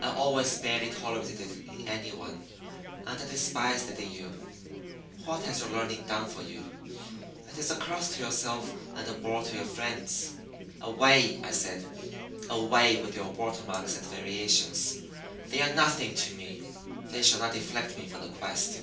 I always barely tolerated it in any one, and I despised it in you. What has your learning done for you? It is a curse to yourself and a bore to your friends. Away," I said "away with your water marks and variations! They are nothing to me. They shall not deflect me from the quest."